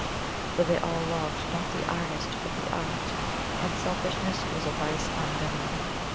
For they all loved not the artist but the Art; and selfishness was a vice unknown.